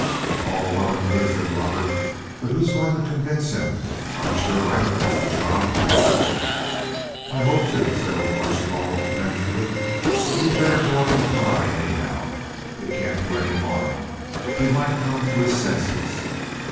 "All well and good," said Robert, "but who's going to convince him? I'm sure I don't want the job." "I hope to," said old Archibald, "eventually; but you'd better go up and try, anyhow. It can't do any harm. He might come to his senses."